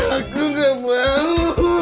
aku gak mau